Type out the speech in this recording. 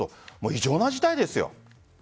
異常な事態ですよ。